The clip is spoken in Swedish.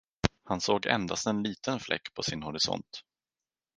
Han såg endast en liten fläck på sin horisont.